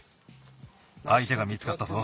あいてが見つかったぞ。